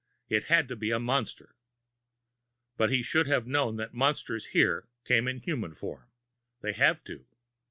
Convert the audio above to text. It had to be a monster. But he should have known that monsters here came in human form they'd have to.